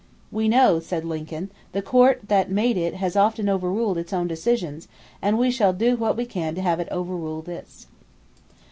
"We know," said Lincoln, "the Court that made it has often overruled its own decisions and we shall do what we can to have it overrule this."